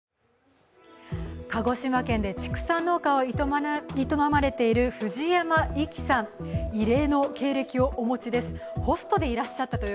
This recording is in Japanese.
鹿児島県で畜産農家を営まれている藤山粋さん、異例の経歴をお持ちです。